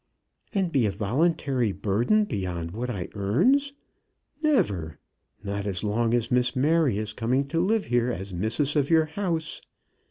"And be a woluntary burden beyond what I earns! Never; not as long as Miss Mary is coming to live here as missus of your house.